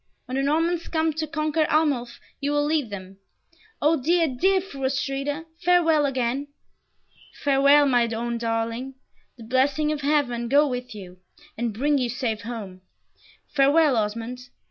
When the Normans come to conquer Arnulf you will lead them. O dear, dear Fru Astrida, farewell again." "Farewell, my own darling. The blessing of Heaven go with you, and bring you safe home! Farewell, Osmond.